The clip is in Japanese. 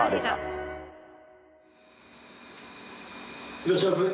いらっしゃいませ。